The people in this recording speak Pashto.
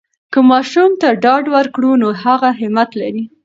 که ماشوم ته ډاډ ورکړو، نو هغه همت لری.